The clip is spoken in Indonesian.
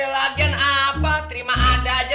lagi lagi apa terima ada aja